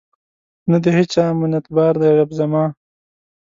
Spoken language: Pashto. نه د هیچا منتبار دی رب زما